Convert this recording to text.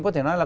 có thể nói là